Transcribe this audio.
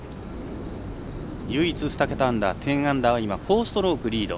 唯一２桁アンダー１０アンダーは今４ストロークリード。